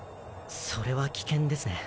それは危険ですね。